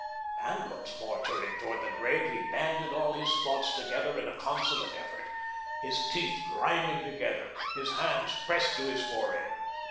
And once more turning toward the grave, he banded all his thoughts together in a consummate effort, his teeth grinding together, his hands pressed to his forehead.